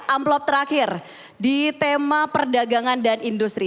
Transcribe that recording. amplop terakhir di tema perdagangan dan industri